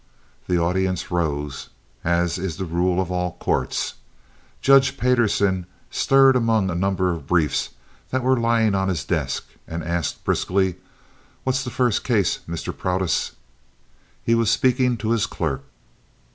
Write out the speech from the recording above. The audience arose, as is the rule of all courts. Judge Payderson stirred among a number of briefs that were lying on his desk, and asked, briskly, "What's the first case, Mr. Protus?" He was speaking to his clerk.